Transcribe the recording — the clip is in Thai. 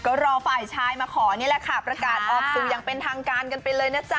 ก็รอฝ่ายชายมาขอนี่แหละค่ะประกาศออกสู่อย่างเป็นทางการกันไปเลยนะจ๊